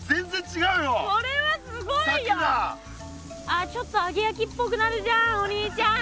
あちょっと揚げやきっぽくなるじゃんお兄ちゃん。